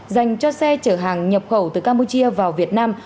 dành cho xe chở hàng nhập khẩu từ campuchia vào việt nam